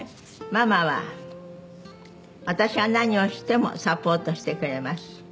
「“ママは私が何をしてもサポートしてくれます”」